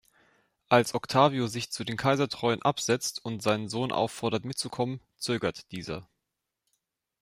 Als Octavio sich zu den Kaisertreuen absetzt und seinen Sohn auffordert mitzukommen, zögert dieser.